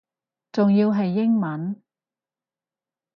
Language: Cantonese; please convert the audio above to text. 仲要係英文